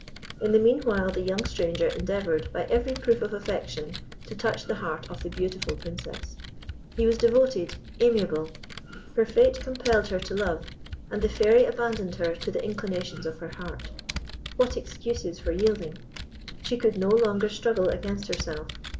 In the meanwhile the young stranger endeavoured, by every proof of affection, to touch the heart of the beautiful Princess. He was devoted, amiable her fate compelled her to love, and the Fairy abandoned her to the inclinations of her heart. What excuses for yielding! She could no longer struggle against herself.